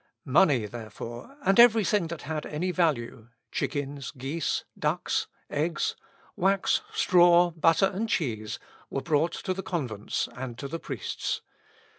Money, therefore, and every thing that had any value, chickens, geese, ducks, eggs, wax, straw, butter, and cheese, were brought to the convents and to the priests.